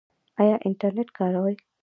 ایا انټرنیټ کاروئ؟